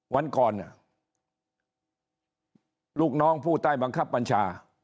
วันก่อนลูกน้องผู้ใต้บังคับบัญชา